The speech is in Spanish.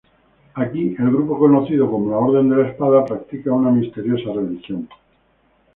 Aquí, el grupo conocido como "la Orden de la Espada" practica una misteriosa religión.